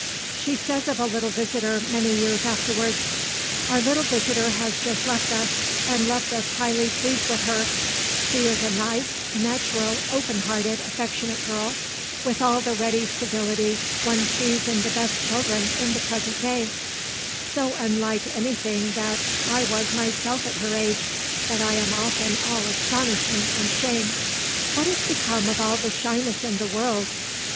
She says of a little visitor many years afterwards: "Our little visitor has just left us, and left us highly pleased with her; she is a nice natural open hearted, affectionate girl, with all the ready civility one sees in the best children in the present day; so unlike anything that I was myself at her age, that I am often all astonishment and shame. "What is become of all the shyness in the world?